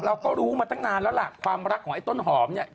เราก็รู้มาตั้งนานแล้วล่ะความรักของไอ้ต้นหอมเนี่ย